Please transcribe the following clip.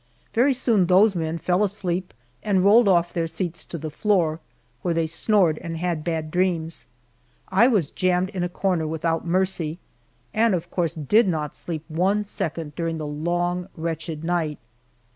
Very soon those men fell asleep and rolled off their seats to the floor, where they snored and had bad dreams. I was jammed in a corner without mercy, and of course did not sleep one second during the long wretched night.